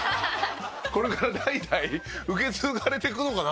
これから代々受け継がれていくのかな？